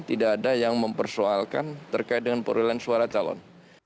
tidak ada yang mempersoalkan terkait dengan perolehan suara calon